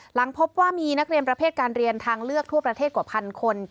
หลังพบว่ามีนักเรียนประเภทการเรียนทางเลือกทั่วประเทศกว่าพันคน